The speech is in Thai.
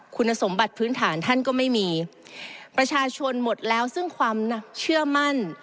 คุณสมบัติพื้นฐานท่านก็ไม่มีประชาชนหมดแล้วซึ่งความเชื่อมั่น